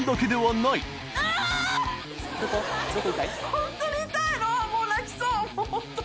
本当に痛いの。